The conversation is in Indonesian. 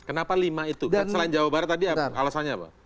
kenapa lima itu kan selain jawa barat tadi alasannya apa